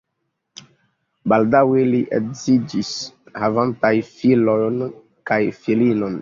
Baldaŭe li edziĝis, havantaj filon kaj filinon.